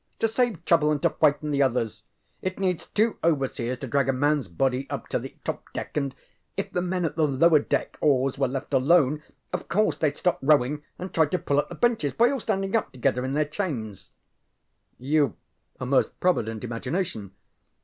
ŌĆ£To save trouble and to frighten the others. It needs two overseers to drag a manŌĆÖs body up to the top deck; and if the men at the lower deck oars were left alone, of course theyŌĆÖd stop rowing and try to pull up the benches by all standing up together in their chains. ŌĆØ ŌĆ£YouŌĆÖve a most provident imagination.